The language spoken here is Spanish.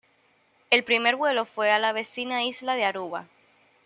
El primer vuelo fue a la vecina isla de Aruba.